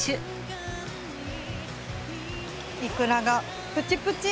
イクラがプチプチ！